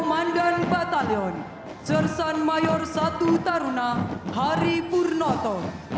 penata rama iv sersan mayor satu taruna hari purnoto